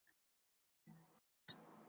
Koʻrgazma kechqurun ochildi.